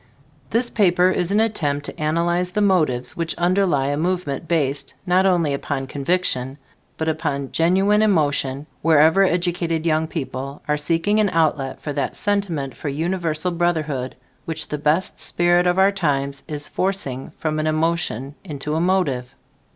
This paper is an attempt to analyze the motives which underlie a movement based, not only upon conviction, but upon genuine emotion, wherever educated young people are seeking an outlet for that sentiment for universal brotherhood, which the best spirit of our times is forcing from an emotion into a motive.